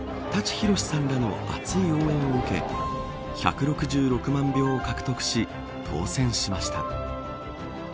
舘ひろしさんらの熱い応援を受け１６６万票を獲得し当選しました。